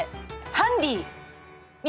・ハンディ？